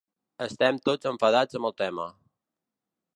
Estem tots enfadats amb el tema.